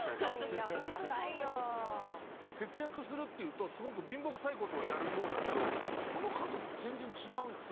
節約するっていうとすごく貧乏くさい事をやるようだけどこの家族全然違うよね。